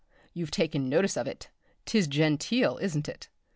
you've taken notice of it 'tis genteel, isn't it?